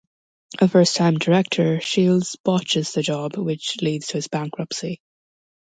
A first-time director, Shields botches the job, which leads to his bankruptcy.